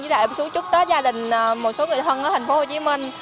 với lại em xuống chúc tết gia đình một số người thân ở thành phố hồ chí minh